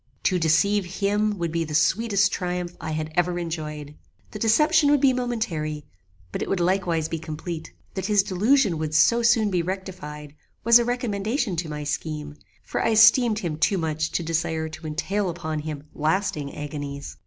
To deceive him would be the sweetest triumph I had ever enjoyed. The deception would be momentary, but it would likewise be complete. That his delusion would so soon be rectified, was a recommendation to my scheme, for I esteemed him too much to desire to entail upon him lasting agonies.